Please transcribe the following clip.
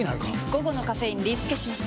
午後のカフェインリスケします！